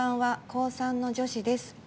高３の女子です。